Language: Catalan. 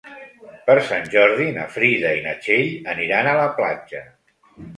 Per Sant Jordi na Frida i na Txell aniran a la platja.